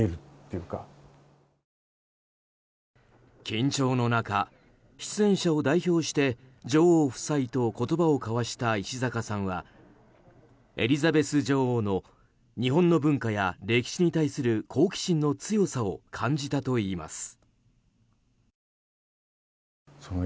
緊張の中、出演者を代表して女王夫妻と言葉を交わした石坂さんはエリザベス女王の日本の文化や歴史に対する好奇心の強さを感じたといいます。